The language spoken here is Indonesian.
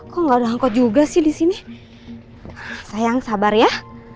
kok nggak juga sih disini sayang sabar ya